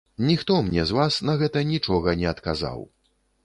Ніхто мне з вас на гэта нічога не адказаў.